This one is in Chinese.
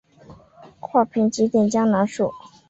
画屏几点江南树。